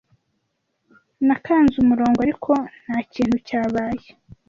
Nakanze umurongo, ariko ntakintu cyabaye.